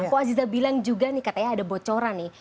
pak aziza bilang juga nih katanya ada bocoran nih